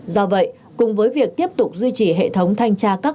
do vậy cùng với việc tiếp tục duy trì hệ thống thanh tra các cơ quan thanh tra